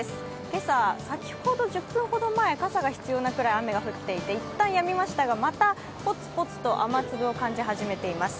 今朝、先ほど１０分ほど前、傘が必要なくらいの雨が降ってきまして、いったんやみましたがまた、ぽつぽつと雨粒を感じ始めています。